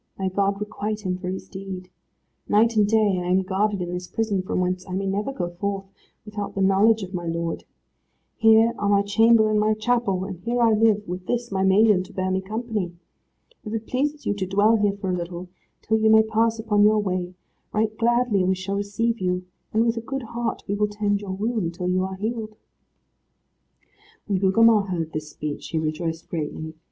May God requite him for his deed. Night and day I am guarded in this prison, from whence I may never go forth, without the knowledge of my lord. Here are my chamber and my chapel, and here I live, with this, my maiden, to bear me company. If it pleases you to dwell here for a little, till you may pass upon your way, right gladly we shall receive you, and with a good heart we will tend your wound, till you are healed." When Gugemar heard this speech he rejoiced greatly.